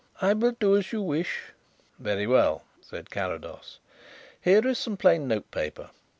"I will do as you wish." "Very well," said Carrados. "Here is some plain notepaper.